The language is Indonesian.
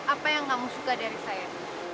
apa yang kamu suka dari saya